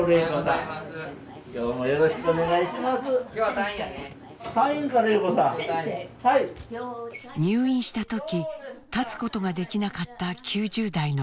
入院した時立つことができなかった９０代の女性。